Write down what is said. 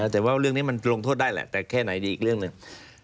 แต่ว่าเรื่องนี้มันลงโทษได้แหละแต่แค่ไหนดีอีกเรื่องหนึ่ง